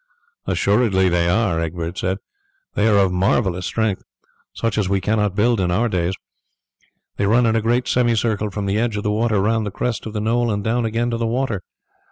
"Assuredly they are," Egbert said. "They are of marvellous strength, such as we cannot build in our days. They run in a great semicircle from the edge of the water round the crest of the knoll and down again to the water.